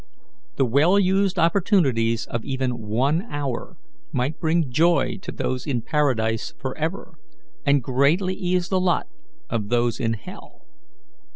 The well used opportunities of even one hour might bring joy to those in paradise forever, and greatly ease the lot of those in hell.